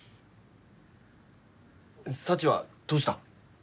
サチはどうした？